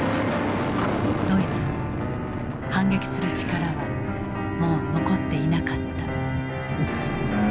ドイツに反撃する力はもう残っていなかった。